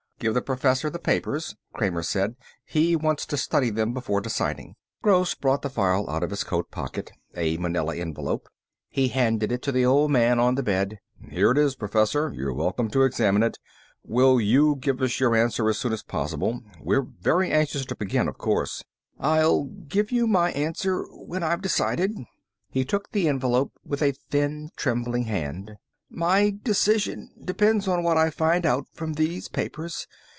"Give the Professor the papers," Kramer said. "He wants to study them before deciding." Gross brought the file out of his coat pocket, a manila envelope. He handed it to the old man on the bed. "Here it is, Professor. You're welcome to examine it. Will you give us your answer as soon as possible? We're very anxious to begin, of course." "I'll give you my answer when I've decided." He took the envelope with a thin, trembling hand. "My decision depends on what I find out from these papers.